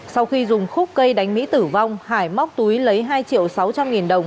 sau khi dùng khúc cây đánh mỹ tử vong hải móc túi lấy hai triệu sáu trăm linh nghìn đồng